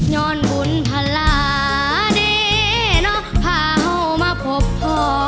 ย้อนบุญพลาเด้เนาะพาเข้ามาพบพ่อ